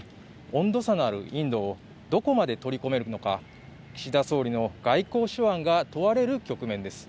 温度差のあるインドをどこまで取り込めるのか、岸田総理の外交手腕が問われる局面です。